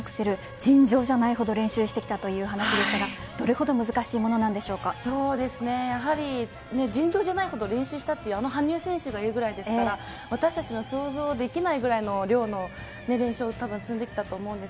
尋常じゃないほど練習してきたという話でしたがどれほどやはり尋常じゃないほど練習したというあの羽生選手が言うくらいですから、私たちが想像できないくらいの量の練習を積んできたと思います。